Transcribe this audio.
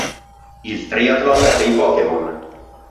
Il triathlon dei Pokémon!